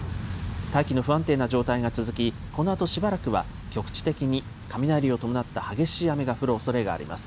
大気の不安定な状態が続き、このあとしばらくは、局地的に雷を伴った激しい雨が降るおそれがあります。